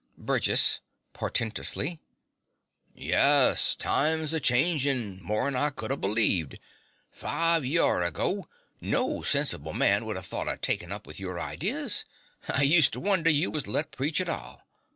BURGESS (portentously). Yes, times 'as changed mor'n I could a believed. Five yorr (year) ago, no sensible man would a thought o' takin' up with your ideas. I hused to wonder you was let preach at all.